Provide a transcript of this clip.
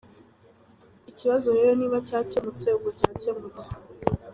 Ikibazo rero niba cyakemutse ubwo cyakemutse.